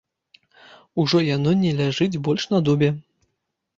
Ужо яно не ляжыць больш на дубе.